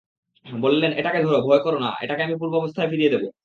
বললেন, এটাকে ধর, ভয় করো না, এটাকে আমি পূর্বাবস্থায় ফিরিয়ে দেব।